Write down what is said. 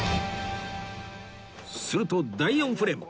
すると第４フレーム